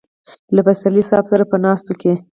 له پسرلي صاحب سره په ناستو کې.